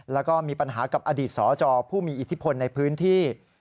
แล้วก็มีปัญหากับอดีตสจผู้มีอิทธิพลในพื้นที่